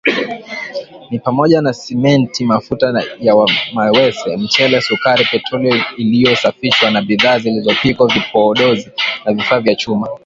Ni pamoja na Simenti mafuta ya mawese mchele sukari petroli iliyosafishwa na bidhaa zilizopikwa vipodozi na vifaa vya chuma